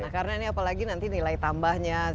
nah karena ini apalagi nanti nilai tambahnya